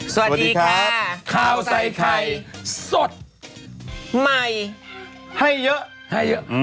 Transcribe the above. สวัสดีครับครัวใส่ไข่สดใหม่ให้เยอะให้เยอะอืม